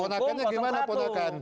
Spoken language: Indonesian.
ponakannya bagaimana ponakan